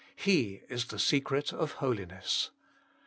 He is the secret of holiness.